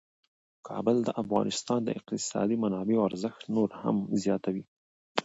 کابل د افغانستان د اقتصادي منابعو ارزښت نور هم زیاتوي.